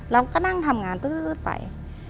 เราก็นั่งทำงานไป